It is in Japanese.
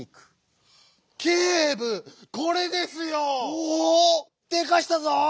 おおっ⁉でかしたぞ！